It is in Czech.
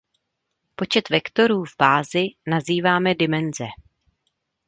Počet vektorů v bázi nazýváme dimenze.